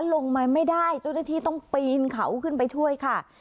ลงมาไม่ได้เจ้าหน้าที่ต้องปีนเขาขึ้นไปช่วยค่ะ